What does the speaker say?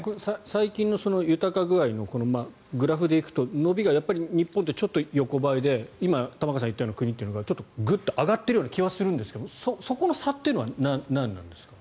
最近の豊か具合のグラフでいくと伸びが日本ってちょっと横ばいで今玉川さんが言ったような国はちょっとぐっと上がってるような気がするんですがそこの差っていうのは何なんですか？